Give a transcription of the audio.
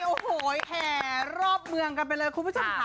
เมื่อวานนี้แห่รอบเมืองกันไปเลยคุณผู้ชมค่ะ